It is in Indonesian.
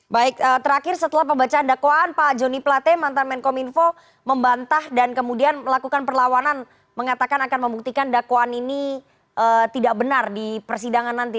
baik terakhir setelah pembacaan dakwaan pak joni plate mantan menkominfo membantah dan kemudian melakukan perlawanan mengatakan akan membuktikan dakwaan ini tidak benar di persidangan nanti